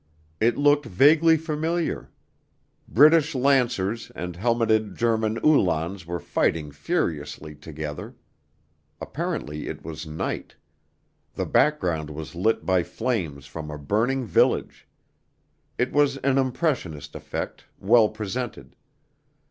It looked vaguely familiar. British lancers and helmeted German Uhlans were fighting furiously together. Apparently it was night. The background was lit by flames from a burning village. It was an impressionist effect, well presented.